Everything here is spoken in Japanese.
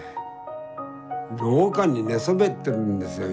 廊下に寝そべってるんですよ。